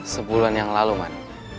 sebulan yang lalu man